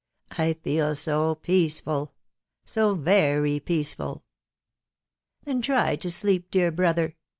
I feel so peaceful so very peaceful. .•." Then try to sleep, dear brother